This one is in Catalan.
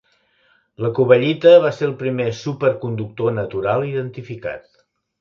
La covellita va ser el primer superconductor natural identificat.